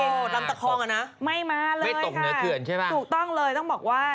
ล้ำตะคองอ่ะนะไม่มาเลยค่ะถูกต้องเลยต้องบอกว่า